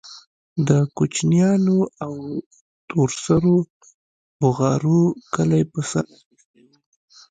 د کوچنيانو او تور سرو بوغارو کلى په سر اخيستى و.